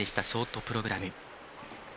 ショートプログラム。